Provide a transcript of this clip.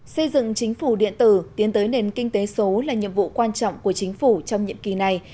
xây dựng chính phủ điện tử tiến tới nền kinh tế số là nhiệm vụ quan trọng của chính phủ trong nhiệm kỳ này